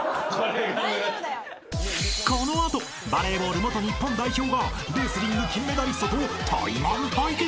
・大丈夫だよ。［この後バレーボール元日本代表がレスリング金メダリストとタイマン対決！？］